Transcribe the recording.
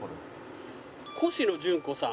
コシノジュンコさん。